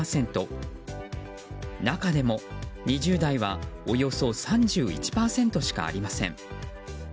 中でも、２０代はおよそ３１％しかありません。